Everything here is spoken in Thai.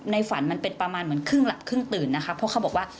ฝันมันเป็นประมาณเหมือนครึ่งหลับครึ่งตื่นนะคะเพราะเขาบอกว่า